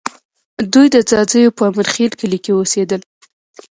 دوی د ځاځیو په امیرخېل کلي کې اوسېدل